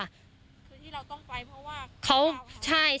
คือที่เราต้องไปเพราะว่าเขาเก่าหาเรา